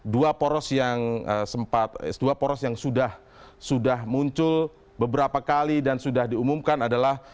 dua poros yang sudah muncul beberapa kali dan sudah diumumkan adalah